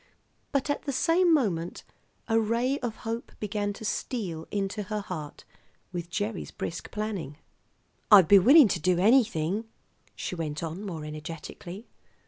But at the same moment a ray of hope began to steal into her heart with Gerry's brisk planning. "I'd be willing to do anything," she went on more energetically.